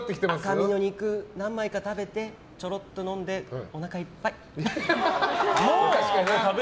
赤身の肉何枚か食べてちょろっと飲んでおなかいっぱい。